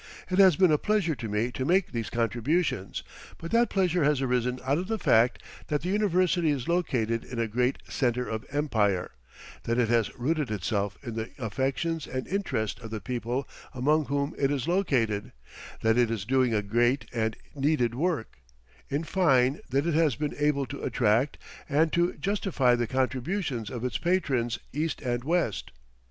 It has been a pleasure to me to make these contributions, but that pleasure has arisen out of the fact that the university is located in a great centre of empire; that it has rooted itself in the affections and interest of the people among whom it is located; that it is doing a great and needed work in fine, that it has been able to attract and to justify the contributions of its patrons East and West.